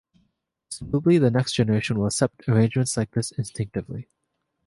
Presumably the next generation will accept arrangements like this instinctively.